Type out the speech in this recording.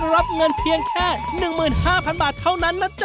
รับเงินเพียงแค่๑หมื่น๕พันบาทเท่านั้นน่ะจ๊ะ